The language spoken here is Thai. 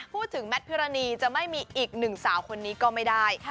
แมทพิรณีจะไม่มีอีกหนึ่งสาวคนนี้ก็ไม่ได้